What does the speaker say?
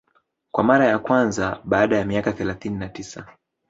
kwa mara ya kwanza baada ya miaka thelathini na tisa